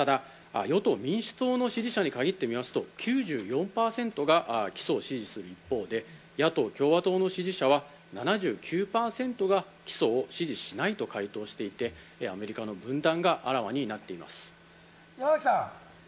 ただ与党・民主党の支持者に限ってみますと、９４％が起訴を支持する一方で、野党・共和党の支持者は７９％が起訴を支持しないと回答していて、アメリカの分断があらわになっています。